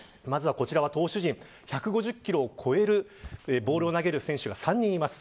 投手陣は、１５０キロを超えるボールを投げる選手が３人います。